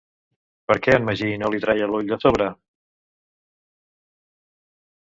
Per què en Magí no li treia l'ull de sobre?